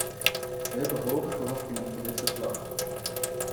Wij hebben hoge verwachtingen van dit verslag.